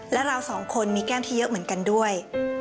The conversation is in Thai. และเราสองคนมีแก้มที่เยอะเหมือนกันด้วย